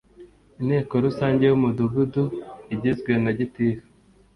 inteko rusange y umudugudu igizwe na gitifu